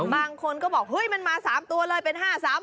บางคนก็บอกว่ามา๓ตัวเลยเป็น๕๓๖